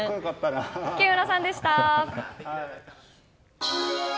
木村さんでした！